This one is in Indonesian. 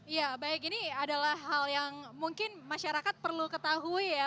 ya baik ini adalah hal yang mungkin masyarakat perlu ketahui ya